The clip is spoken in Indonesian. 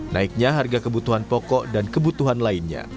naiknya harga kebutuhan pokok dan kebutuhan lainnya